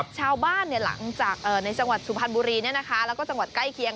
ชาวบ้านหลังจากในจังหวัดสุพรรณบูรีและจังหวัดใกล้เคียง